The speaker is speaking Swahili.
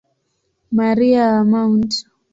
Maria wa Mt.